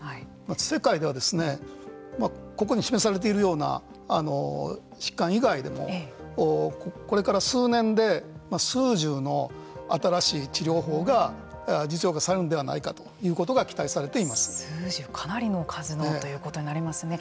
世界ではここに示されているような疾患以外でもこれから数年で数十の新しい治療法が実用化されるのではないかということがかなりの数ということになりますね。